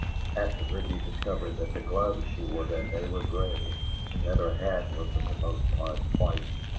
(Afterward, he discovered that the gloves she wore that day were gray, and that her hat was for the most part white.)